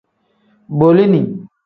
Bolini.